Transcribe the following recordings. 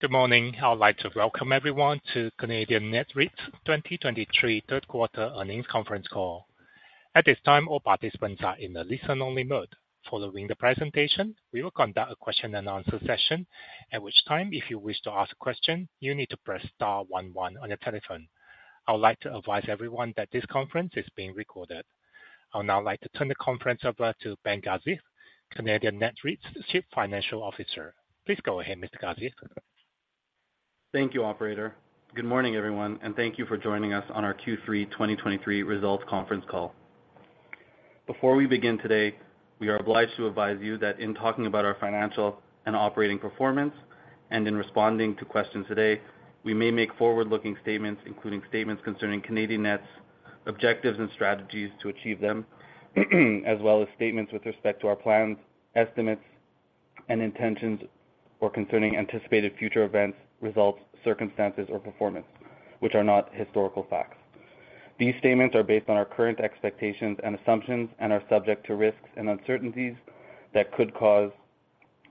Good morning. I would like to welcome everyone to Canadian Net REIT's 2023 Third Quarter Earnings Conference Call. At this time, all participants are in a listen-only mode. Following the presentation, we will conduct a question-and-answer session, at which time, if you wish to ask a question, you need to press star one one on your telephone. I would like to advise everyone that this conference is being recorded. I would now like to turn the conference over to Ben Gazith, Canadian Net REIT's Chief Financial Officer. Please go ahead, Mr. Gazith. Thank you, Operator. Good morning, everyone, and thank you for joining us on our Q3 2023 results conference call. Before we begin today, we are obliged to advise you that in talking about our financial and operating performance and in responding to questions today, we may make forward-looking statements, including statements concerning Canadian Net's objectives and strategies to achieve them, as well as statements with respect to our plans, estimates, and intentions, or concerning anticipated future events, results, circumstances, or performance, which are not historical facts. These statements are based on our current expectations and assumptions and are subject to risks and uncertainties that could cause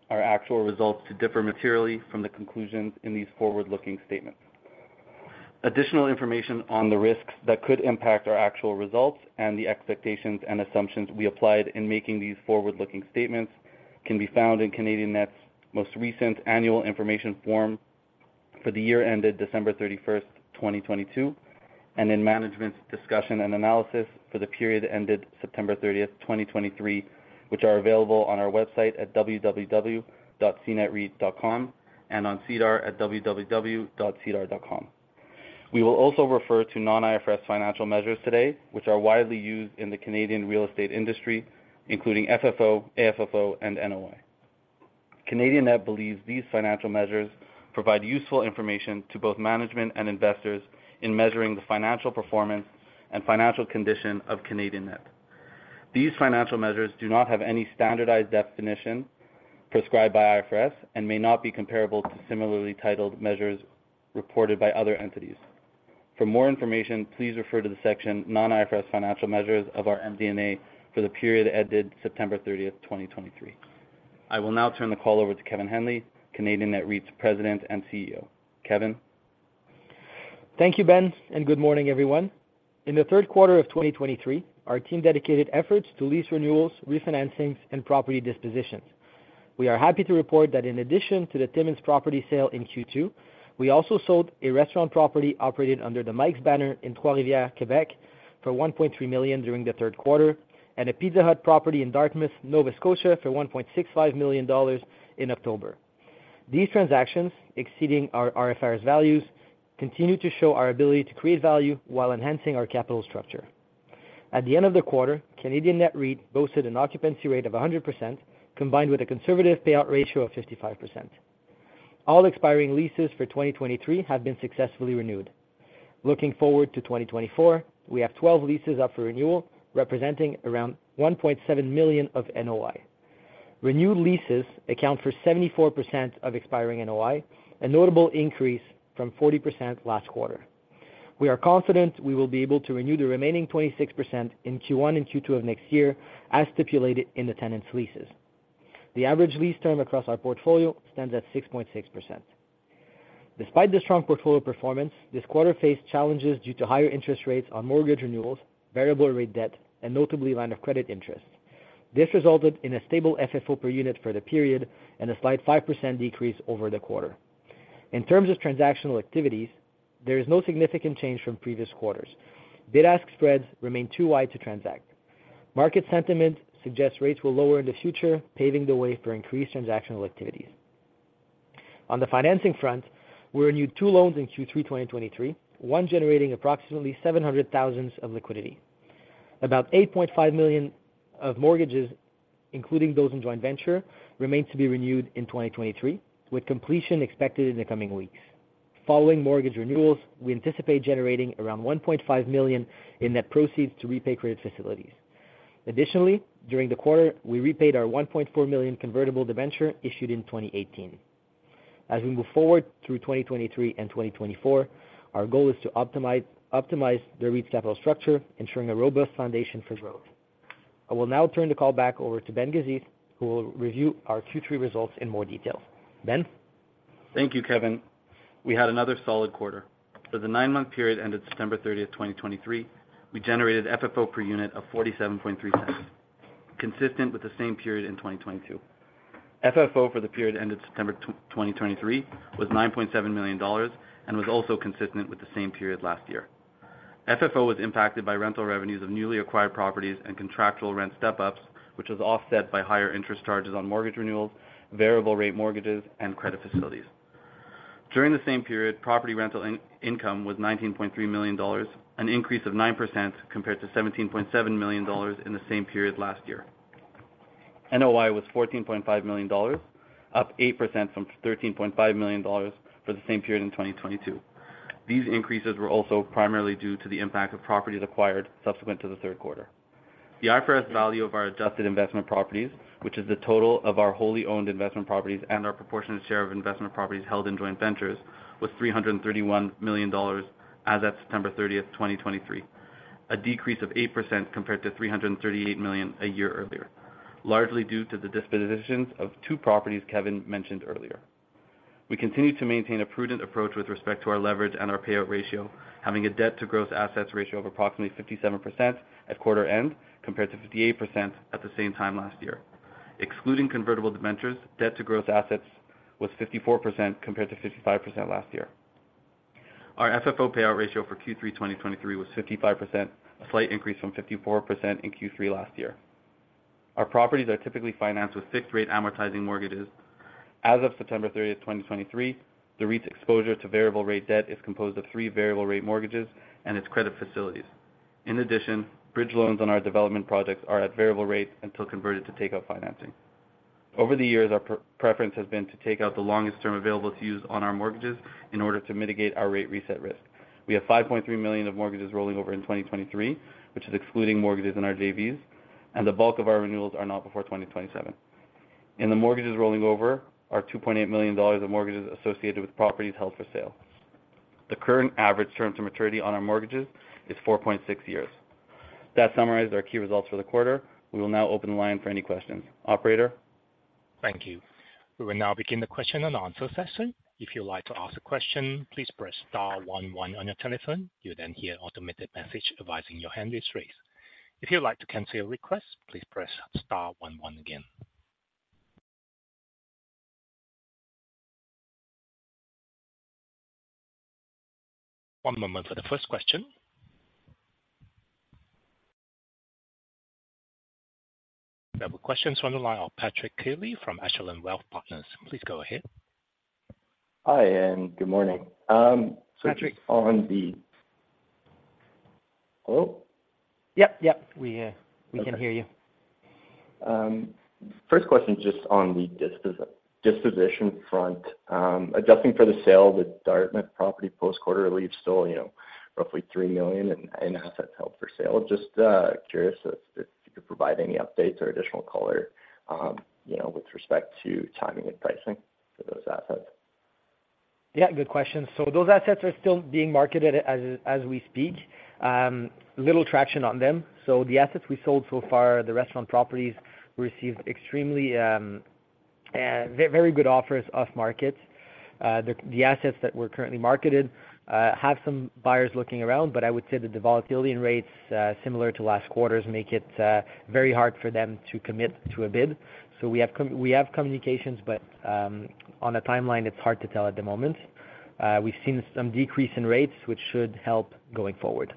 our actual results to differ materially from the conclusions in these forward-looking statements. Additional information on the risks that could impact our actual results and the expectations and assumptions we applied in making these forward-looking statements can be found in Canadian Net's most recent annual information form for the year ended December 31, 2022, and in management's discussion and analysis for the period ended September 30, 2023, which are available on our website at www.cnetreit.com and on SEDAR at www.sedar.com. We will also refer to non-IFRS financial measures today, which are widely used in the Canadian real estate industry, including FFO, AFFO, and NOI. Canadian Net believes these financial measures provide useful information to both management and investors in measuring the financial performance and financial condition of Canadian Net. These financial measures do not have any standardized definition prescribed by IFRS and may not be comparable to similarly titled measures reported by other entities. For more information, please refer to the section Non-IFRS Financial Measures of our MD&A for the period ended September 30, 2023. I will now turn the call over to Kevin Henley, Canadian Net REIT's President and CEO. Kevin? Thank you, Ben, and good morning, everyone. In the third quarter of 2023, our team dedicated efforts to lease renewals, refinancing, and property dispositions. We are happy to report that in addition to the Timmins property sale in Q2, we also sold a restaurant property operated under the Mikes banner in Trois-Rivières, Quebec, for 1.3 million during the third quarter, and a Pizza Hut property in Dartmouth, Nova Scotia, for 1.65 million dollars in October. These transactions, exceeding our IFRS values, continue to show our ability to create value while enhancing our capital structure. At the end of the quarter, Canadian Net REIT boasted an occupancy rate of 100%, combined with a conservative payout ratio of 55%. All expiring leases for 2023 have been successfully renewed. Looking forward to 2024, we have 12 leases up for renewal, representing around 1.7 million of NOI. Renewed leases account for 74% of expiring NOI, a notable increase from 40% last quarter. We are confident we will be able to renew the remaining 26% in Q1 and Q2 of next year, as stipulated in the tenants' leases. The average lease term across our portfolio stands at 6.6%. Despite the strong portfolio performance, this quarter faced challenges due to higher interest rates on mortgage renewals, variable rate debt, and notably, line of credit interest. This resulted in a stable FFO per unit for the period and a slight 5% decrease over the quarter. In terms of transactional activities, there is no significant change from previous quarters. Bid-ask spreads remain too wide to transact. Market sentiment suggests rates will lower in the future, paving the way for increased transactional activities. On the financing front, we renewed two loans in Q3, 2023, one generating approximately 700,000 of liquidity. About 8.5 million of mortgages, including those in joint venture, remains to be renewed in 2023, with completion expected in the coming weeks. Following mortgage renewals, we anticipate generating around 1.5 million in net proceeds to repay credit facilities. Additionally, during the quarter, we repaid our 1.4 million convertible debenture issued in 2018. As we move forward through 2023 and 2024, our goal is to optimize, optimize the REIT's capital structure, ensuring a robust foundation for growth. I will now turn the call back over to Ben Gazith, who will review our Q3 results in more detail. Ben? Thank you, Kevin. We had another solid quarter. For the nine-month period ended September 30, 2023, we generated FFO per unit of 0.473, consistent with the same period in 2022. FFO for the period ended September 2023 was 9.7 million dollars and was also consistent with the same period last year. FFO was impacted by rental revenues of newly acquired properties and contractual rent step-ups, which was offset by higher interest charges on mortgage renewals, variable rate mortgages, and credit facilities. During the same period, property rental income was 19.3 million dollars, an increase of 9% compared to 17.7 million dollars in the same period last year. NOI was 14.5 million dollars, up 8% from 13.5 million dollars for the same period in 2022. These increases were also primarily due to the impact of properties acquired subsequent to the third quarter. The IFRS value of our adjusted investment properties, which is the total of our wholly owned investment properties and our proportionate share of investment properties held in joint ventures, was 331 million dollars as at September 30, 2023 a decrease of 8% compared to 338 million a year earlier, largely due to the dispositions of two properties Kevin mentioned earlier. We continue to maintain a prudent approach with respect to our leverage and our payout ratio, having a debt to gross assets ratio of approximately 57% at quarter end, compared to 58% at the same time last year. Excluding convertible debentures, debt to gross assets was 54%, compared to 55% last year. Our FFO payout ratio for Q3 2023 was 55%, a slight increase from 54% in Q3 last year. Our properties are typically financed with fixed rate amortizing mortgages. As of September 30, 2023, the REIT's exposure to variable rate debt is composed of three variable rate mortgages and its credit facilities. In addition, bridge loans on our development projects are at variable rates until converted to takeout financing. Over the years, our preference has been to take out the longest term available to use on our mortgages in order to mitigate our rate reset risk. We have 5.3 million of mortgages rolling over in 2023, which is excluding mortgages in our JVs, and the bulk of our renewals are not before 2027. In the mortgages rolling over, our 2.8 million dollars of mortgages associated with properties held for sale. The current average term to maturity on our mortgages is 4.6 years. That summarizes our key results for the quarter. We will now open the line for any questions. Operator? Thank you. We will now begin the question and answer session. If you'd like to ask a question, please press star one one on your telephone. You'll then hear an automated message advising your hand is raised. If you'd like to cancel your request, please press star one one again. One moment for the first question. We have a question from the line of Patrick Keeley from Ashland Wealth Partners. Please go ahead. Hi, and good morning. Hello? Yep, we can hear you. First question, just on the disposition front. Adjusting for the sale, the Dartmouth property post quarter leaves still, you know, roughly 3 million in assets held for sale. Just, curious if you could provide any updates or additional color, you know, with respect to timing and pricing for those assets? Yeah, good question. So those assets are still being marketed as we speak. Little traction on them. So the assets we sold so far, the restaurant properties, received extremely very good offers off market. The assets that we're currently marketed have some buyers looking around, but I would say that the volatility in rates similar to last quarter's make it very hard for them to commit to a bid. So we have communications, but on a timeline, it's hard to tell at the moment. We've seen some decrease in rates, which should help going forward.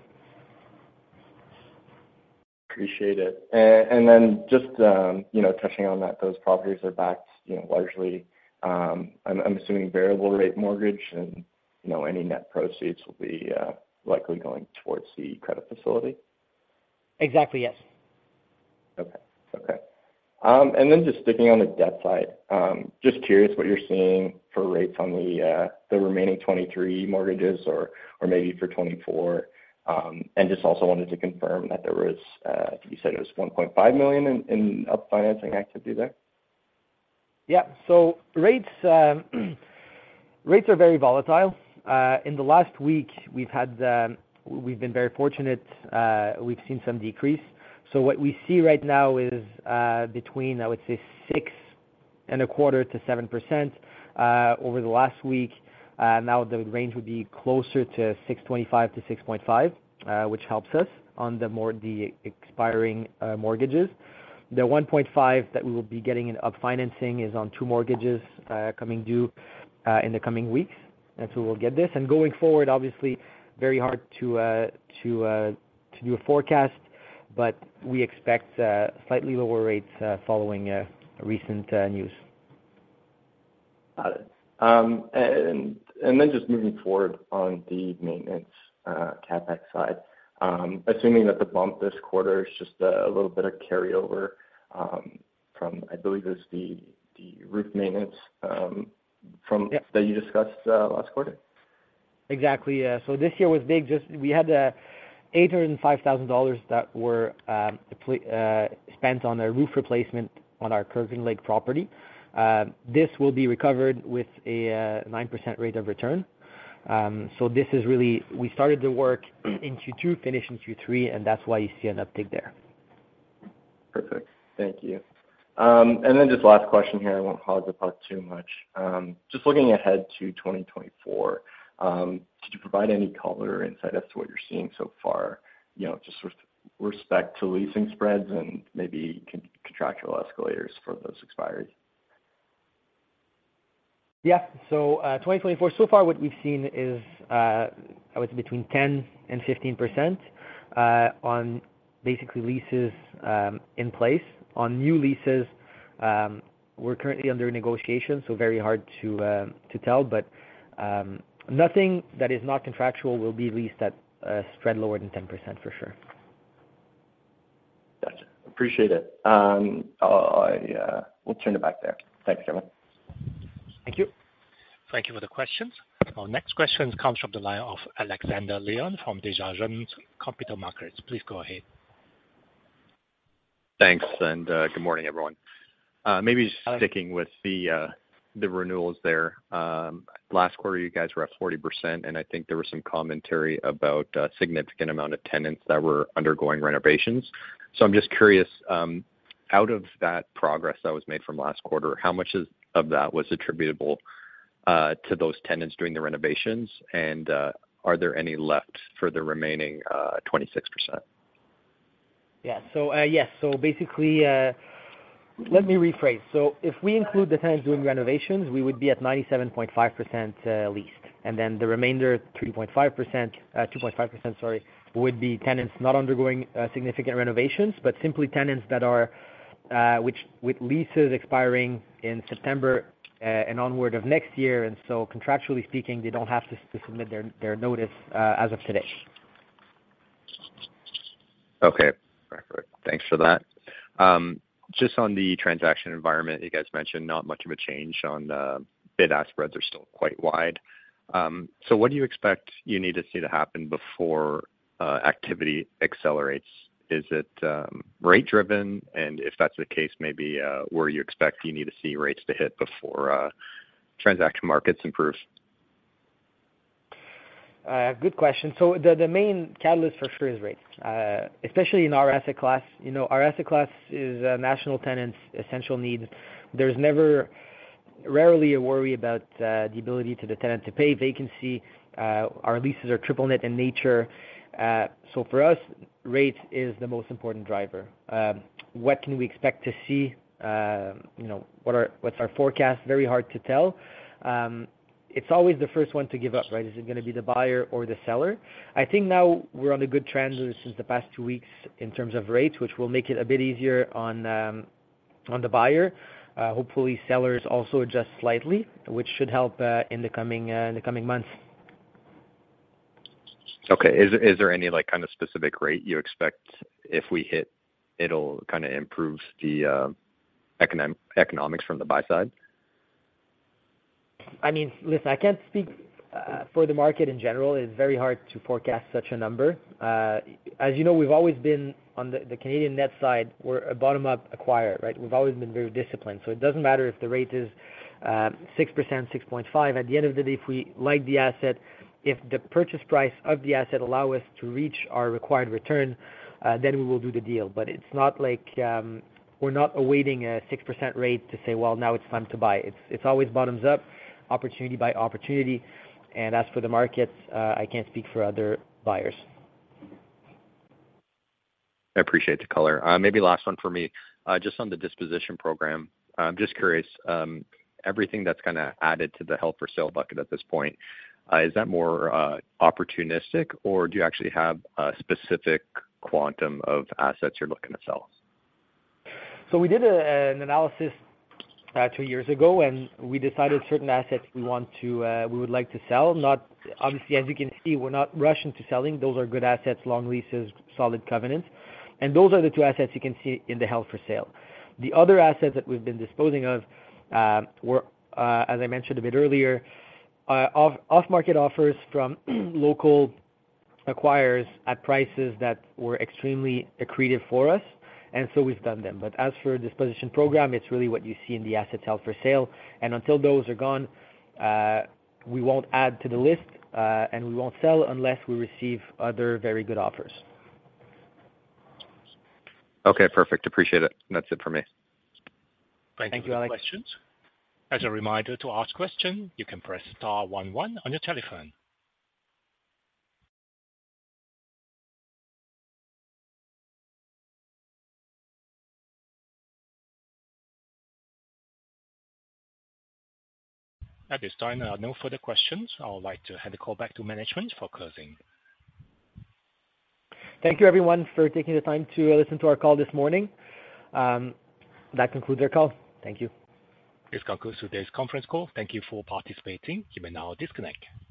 Appreciate it. And then just, you know, touching on that, those properties are backed, you know, largely. I'm assuming variable rate mortgage, and, you know, any net proceeds will be likely going towards the credit facility? Exactly, yes. Okay. And then just sticking on the debt side, just curious what you're seeing for rates on the remaining 23 mortgages or maybe for 24. And just also wanted to confirm that there was, you said it was 1.5 million in up financing activity there? Yeah. So rates, rates are very volatile. In the last week, we've been very fortunate, we've seen some decrease. So what we see right now is between, I would say, 6.25% to 7%, over the last week. Now the range would be closer to 6.25 to 6.5, which helps us on the more the expiring mortgages. The 1.5 that we will be getting in up financing is on two mortgages coming due in the coming weeks, and so we'll get this. And going forward, obviously, very hard to to to do a forecast, but we expect slightly lower rates following recent news. Got it. And then just moving forward on the maintenance CapEx side, assuming that the bump this quarter is just a little bit of carryover from, I believe it was the roof maintenance from-Yeah- that you discussed last quarter. Exactly, yeah. So this year was big. We had 805,000 dollars that were spent on a roof replacement on our Kirkland Lake property. This will be recovered with a 9% rate of return. So this is really, we started the work in Q2, finished in Q3, and that's why you see an uptick there. Perfect. Thank you. And then just last question here. I won't hog the call too much. Just looking ahead to 2024, could you provide any color or insight as to what you're seeing so far, you know, just with respect to leasing spreads and maybe contractual escalators for those expiries? Yeah. So, 2024, so far, what we've seen is, I would say between 10% and 15%, on basically leases, in place. On new leases, we're currently under negotiation, so very hard to tell. But, nothing that is not contractual will be leased at a spread lower than 10%, for sure. Gotcha. Appreciate it. I will turn it back there. Thanks, Kevin. Thank you. Thank you for the questions. Our next question comes from the line of Alexander Leon from Desjardins Capital Markets. Please go ahead. Thanks, and good morning, everyone. Maybe sticking with the renewals there. Last quarter, you guys were up 40%, and I think there was some commentary about significant amount of tenants that were undergoing renovations. So I'm just curious, out of that progress that was made from last quarter, how much of that was attributable to those tenants doing the renovations? And are there any left for the remaining 26%? Yeah. So, yes, so basically, let me rephrase. So if we include the tenants doing renovations, we would be at 97.5% leased, and then the remainder 3.5%, 2.5%, sorry, would be tenants not undergoing significant renovations, but simply tenants that are, which, with leases expiring in September and onward of next year. And so contractually speaking, they don't have to submit their notice as of today. Okay. Perfect. Thanks for that. Just on the transaction environment, you guys mentioned not much of a change on, bid-ask spreads are still quite wide. So what do you expect you need to see to happen before, activity accelerates? Is it, rate driven? And if that's the case, maybe, where you expect you need to see rates to hit before, transaction markets improves? Good question. So the main catalyst for sure is rates, especially in our asset class. You know, our asset class is national tenants, essential needs. There's never, rarely a worry about the ability to the tenant to pay vacancy. Our leases are triple net in nature. So for us, rates is the most important driver. What can we expect to see? You know, what's our forecast? Very hard to tell. It's always the first one to give up, right? Is it gonna be the buyer or the seller? I think now we're on a good trend since the past two weeks in terms of rates, which will make it a bit easier on the buyer. Hopefully, sellers also adjust slightly, which should help in the coming months. Okay. Is there any, like, kind of specific rate you expect if we hit, it'll kind of improve the economics from the buy side? I mean, listen, I can't speak for the market in general. It's very hard to forecast such a number. As you know, we've always been on the, the Canadian Net side, we're a bottom-up acquirer, right? We've always been very disciplined. So it doesn't matter if the rate is 6%, 6.5. At the end of the day, if we like the asset, if the purchase price of the asset allow us to reach our required return, then we will do the deal. But it's not like, we're not awaiting a 6% rate to say, well, now it's time to buy. It's always bottoms up, opportunity by opportunity. And as for the markets, I can't speak for other buyers. I appreciate the color. Maybe last one for me. Just on the disposition program. I'm just curious, everything that's kind of added to the held for sale bucket at this point, is that more opportunistic, or do you actually have a specific quantum of assets you're looking to sell? So we did an analysis two years ago, and we decided certain assets we want to, we would like to sell. Not, obviously, as you can see, we're not rushing to selling. Those are good assets, long leases, solid covenants, and those are the two assets you can see in the held for sale. The other assets that we've been disposing of were, as I mentioned a bit earlier, off-market offers from local acquirers at prices that were extremely accretive for us, and so we've done them. But as for disposition program, it's really what you see in the assets held for sale. And until those are gone, we won't add to the list, and we won't sell unless we receive other very good offers. Okay, perfect. Appreciate it. That's it for me. Thank you, Alex. As a reminder to ask question, you can press star one one on your telephone. At this time, no further questions. I would like to hand the call back to management for closing. Thank you, everyone, for taking the time to listen to our call this morning. That concludes our call. Thank you. This concludes today's conference call. Thank you for participating. You may now disconnect.